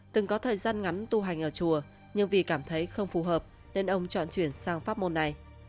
từng có thời gian ngắn tu hành ở chùa nhưng vì cảm thấy không phù hợp nên ông chọn chuyển sang phát ngôn này